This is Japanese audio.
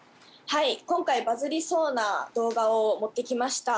はい今回バズりそうな動画を持ってきました。